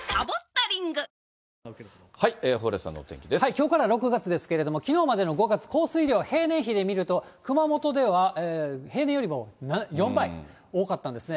きょうから６月ですけれども、きのうまでの５月、降水量が平年比で見ると、熊本では平年よりも４倍多かったんですね。